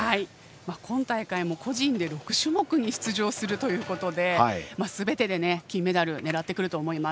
今大会も個人で６種目に出場するということですべてで金メダルを狙うと思います。